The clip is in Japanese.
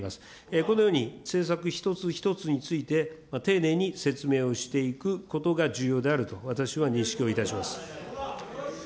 このように政策一つ一つについて、丁寧に説明をしていくことが重要であると私は認識をいたします。